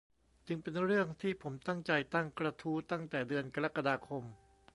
จึงเป็นเรื่องที่ผมตั้งใจตั้งกระทู้ตั้งแต่เดือนกรกฎาคม